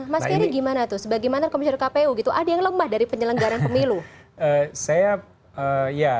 mas kery bagaimana tuh sebagaimana komisar kpu ada yang lemah dari penyelenggaraan pemilu